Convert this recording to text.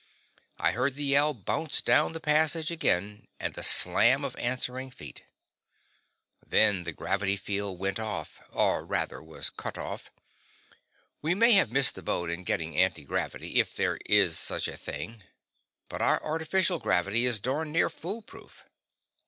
I heard the yell bounce down the passage again, and the slam of answering feet. Then the gravity field went off. Or rather, was cut off. We may have missed the boat in getting anti gravity, if there is such a thing, but our artificial gravity is darned near foolproof.